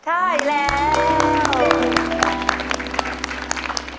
ใช่แล้ว